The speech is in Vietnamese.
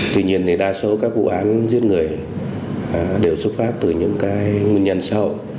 tuy nhiên thì đa số các vụ án giết người đều xuất phát từ những cái nguyên nhân sâu